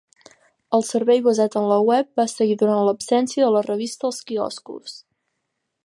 El servei basat en el web va seguir durant l'absència de la revista als quioscos.